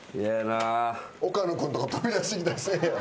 岡野君とか飛び出してきたりせえへんやろな。